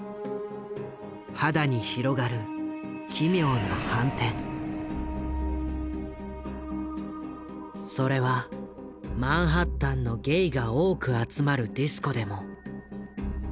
肌に広がるそれはマンハッタンのゲイが多く集まるディスコでも。